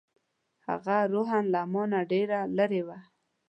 هغه روحاً له ما نه ډېره لرې وه.